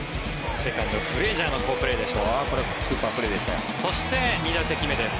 セカンド、フレージャーの好プレーでした。